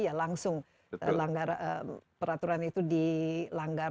ya langsung peraturan itu dilanggar